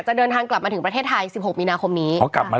เดินทางกลับมาถึงประเทศไทย๑๖มีนาคมนี้